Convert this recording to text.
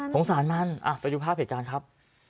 สงสารมันไปดูภาพเหตุการณ์ครับ